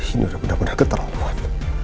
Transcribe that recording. ini udah bener bener keterlaluan